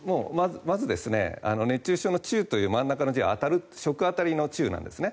まず、熱中症の中という真ん中の字はあたるは食あたりの中なんですね。